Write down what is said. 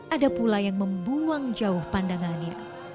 ada pula yang membuang jauh pandangannya